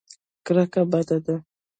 کرکه بده ده.